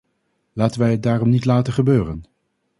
Laten wij het daarom niet laten gebeuren!